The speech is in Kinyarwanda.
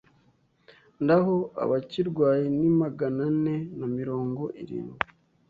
naho abakirwaye ni magana ne na mirongo irindwi